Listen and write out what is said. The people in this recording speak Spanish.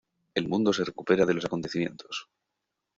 El mundo se recupera de los acontecimientos.